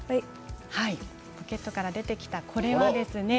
ポケットから出てきたこれは。